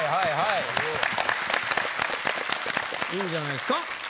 いいんじゃないですか？